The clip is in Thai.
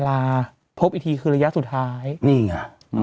เราก็มีความหวังอะ